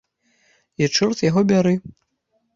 І чорт яго бяры!